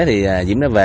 thì diễm đã về